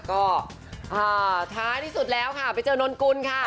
ก็ท้ายที่สุดแล้วค่ะไปเจอนนกุลค่ะ